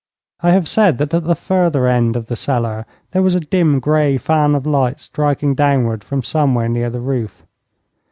I have said that at the further end of the cellar there was a dim grey fan of light striking downwards from somewhere near the roof.